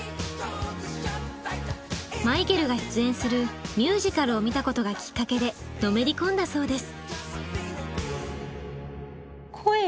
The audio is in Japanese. マイケルが出演するミュージカルを見たことがきっかけでのめり込んだそうです。